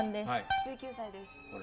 １９歳ですほら